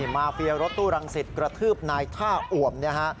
มาเฟียรถตู้รังสิทธิ์กระทืบนายท่าอว่ำ